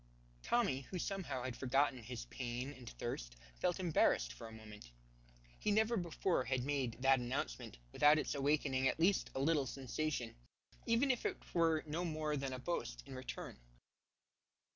Tommy, who somehow had forgotten his pain and thirst, felt embarrassed for a moment. He never before had made that announcement without its awakening at least a little sensation, even if it were no more than a boast in return.